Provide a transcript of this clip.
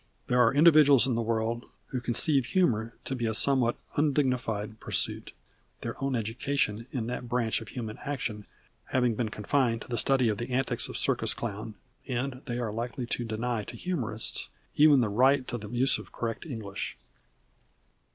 There are individuals in this world who conceive humor to be a somewhat undignified pursuit, their own education in that branch of human action having been confined to a study of the antics of the circus clown, and they are likely to deny to humorists even the right to the use of correct English.